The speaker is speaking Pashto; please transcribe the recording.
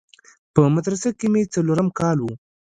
په مدرسه کښې مې څلورم کال و.